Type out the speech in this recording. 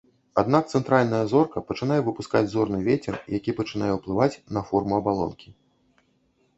Аднак цэнтральная зорка пачынае выпускаць зорны вецер, які пачынае ўплываць на форму абалонкі.